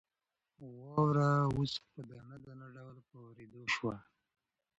واوره اوس په دانه دانه ډول په اورېدو شوه.